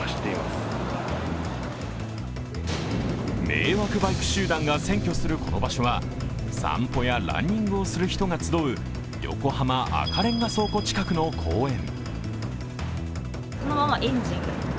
迷惑バイク集団が占拠するこの場所は、散歩やランニングをする人が集う横浜赤レンガ倉庫近くの公園。